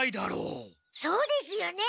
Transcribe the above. そうですよね。